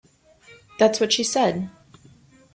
That's what she said!